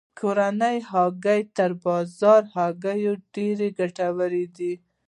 کورنۍ هګۍ تر بازاري هګیو ډیرې ګټورې دي.